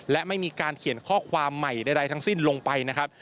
และไม่มีการเขียนข้อความใหม่ใดทั้งสิ้นลงไปนะครับ